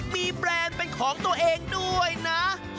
มีแบรนด์เป็นของตัวเองด้วยนะ